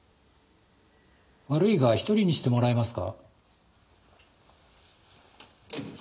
悪いが一人にしてもらえますか。